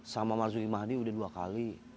sama marzuli mahdi sudah dua kali